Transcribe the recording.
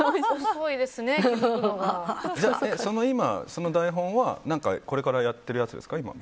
その台本はこれからやるやつですか？